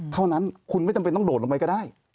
เท่านั้นคุณไม่จำเป็นต้องโดดลงไปก็ได้